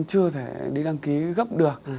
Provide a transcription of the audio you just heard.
chưa thể đi đăng ký gấp được